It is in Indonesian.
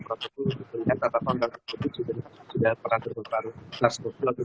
protokol untuk melihat apakah orang orang tersebut sudah pernah terbuka sars cov dua atau